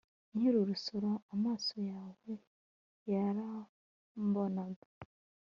nkiri n'urusoro, amaso yawe yarambonaga